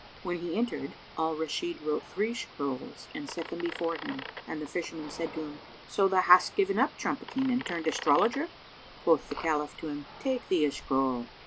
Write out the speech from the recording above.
When he entered, Al Rashid wrote three scrolls and set them before him, and the Fisherman said to him, "So thou hast given up trumpeting and turned astrologer!" Quoth the Caliph to him, "Take thee a scroll."